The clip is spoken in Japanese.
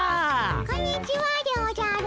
こんにちはでおじゃる。